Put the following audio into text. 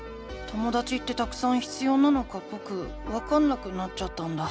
ともだちってたくさん必要なのかぼくわかんなくなっちゃったんだ。